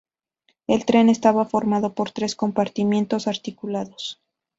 El tren estaba formado por tres compartimientos articulados.